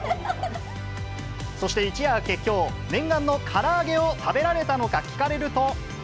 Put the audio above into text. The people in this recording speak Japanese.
そして、一夜明けきょう、念願のから揚げを食べられたのか聞かれると。